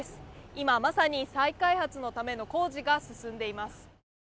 今、まさに再開発のための工事が進んでいます。